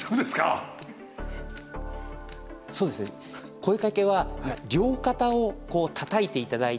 声かけは両肩をこうたたいて頂いて。